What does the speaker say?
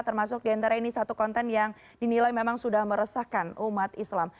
termasuk diantara ini satu konten yang dinilai memang sudah meresahkan umat islam